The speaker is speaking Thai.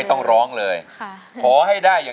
อินโทรเพลงที่๓มูลค่า๔๐๐๐๐บาทมาเลยครับ